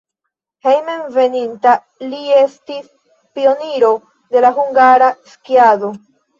Hejmenveninta li estis pioniro de la hungara skiado.